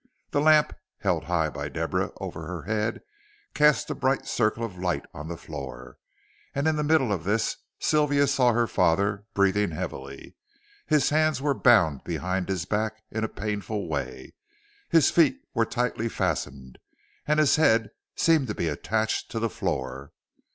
The lamp, held high by Deborah over her head, cast a bright circle of light on the floor, and in the middle of this Sylvia saw her father breathing heavily. His hands were bound behind his back in a painful way, his feet were tightly fastened, and his head seemed to be attached to the floor.